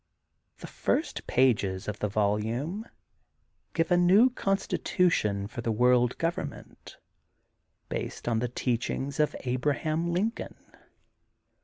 The first pages of the volume give a new constitution for the World Govern ment, based on the teachings of Abraham Lin coln.